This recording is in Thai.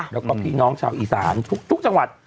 แล้วก็พี่น้องชาวอีสานทุกจังหวัด